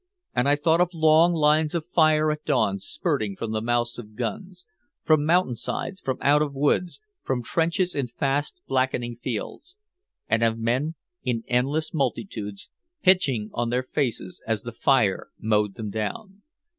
And I thought of long lines of fire at dawn spurting from the mouths of guns from mountainsides, from out of woods, from trenches in fast blackening fields and of men in endless multitudes pitching on their faces as the fire mowed them down.